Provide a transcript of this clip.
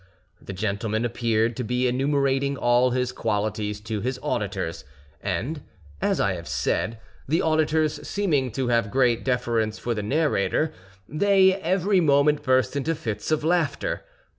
The gentleman appeared to be enumerating all his qualities to his auditors; and, as I have said, the auditors seeming to have great deference for the narrator, they every moment burst into fits of laughter.